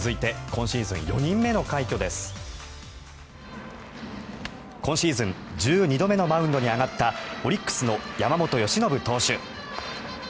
今シーズン１２度目のマウンドに上がったオリックスの山本由伸投手。